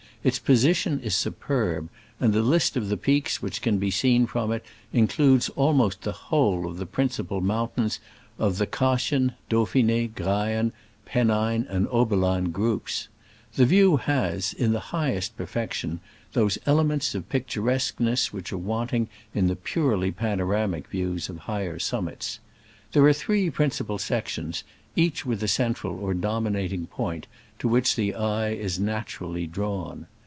Its posi tion is superb, and the list of the peaks which can be seen from it includes al most the whole of the principal mo.un tains of the Cottian, Dauphin6, Graian, Pennine and Oberland groups. The view has, in the highest perfection, those ele ments of picturesqueness which are wanting in the purely panoramic views Digitized by VjOOQIC CAKKBL LOWBRED MB DOWN. 68 SCRAMBLES AMONGST THE ALPS IN i86o '69. of higher summits. There are three principal sections, each with a central or dominating point, to which the eye is naturally drawn.